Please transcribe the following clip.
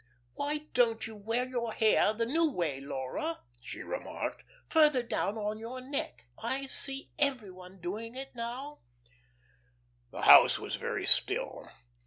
"Why don't you wear your hair that new way, Laura," she remarked, "farther down on your neck? I see every one doing it now." The house was very still.